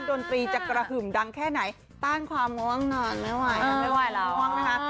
ดนตรีจะกระถึมดังแค่ไหนต้านความต้องว่างด้านแล้วใช่หรือว่า